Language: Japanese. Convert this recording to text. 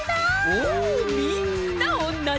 おみんなおんなじ。